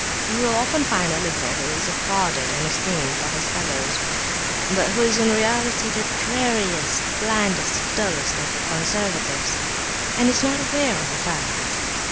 (You will often find a liberal who is applauded and esteemed by his fellows, but who is in reality the dreariest, blindest, dullest of conservatives, and is not aware of the fact.)